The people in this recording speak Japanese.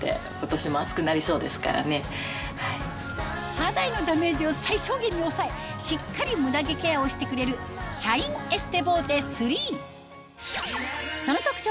肌へのダメージを最小限に抑えしっかりムダ毛ケアをしてくれるシャインエステボーテ３その特徴